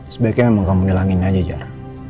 sebaiknya emang kamu hilangin aja jar